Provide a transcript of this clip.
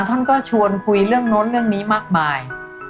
ท่านก็ชวนคุยเรื่องโน้นเรื่องนี้มากมาย